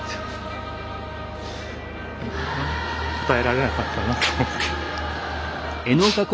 応えられなかったなと思って。